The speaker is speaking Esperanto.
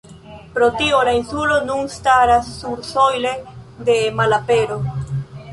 Pro tio, la insulo nun staras sursojle de malapero.